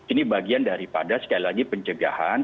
ini bagian daripada sekali lagi pencegahan